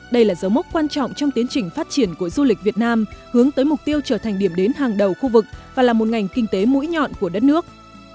đây là dấu mốc quan trọng trong tiến trình phát triển của du lịch việt nam hướng tới mục tiêu trở thành điểm đến hàng đầu khu vực và là một ngành kinh tế mũi nhọn của đất nước